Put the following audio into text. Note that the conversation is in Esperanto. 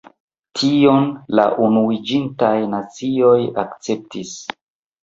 Tion la Unuiĝintaj Nacioj akceptis.